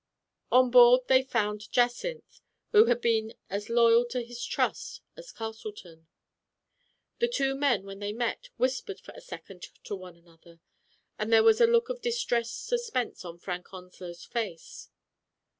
On board they found Jacynth, who had been as loyal to his trust as Castleton. The two men, when they met, whispered for a second to one another, and there was a look of distressed suspense on Frank Onslow's face.